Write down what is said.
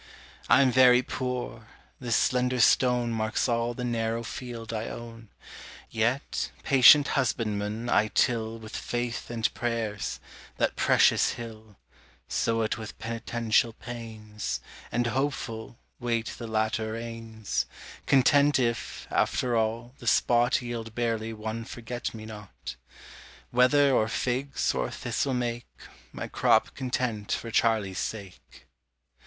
I'm very poor this slender stone Marks all the narrow field I own; Yet, patient husbandman, I till With faith and prayers, that precious hill, Sow it with penitential pains, And, hopeful, wait the latter rains; Content if, after all, the spot Yield barely one forget me not Whether or figs or thistle make My crop content for Charlie's sake.